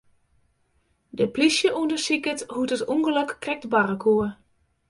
De plysje ûndersiket hoe't it ûngelok krekt barre koe.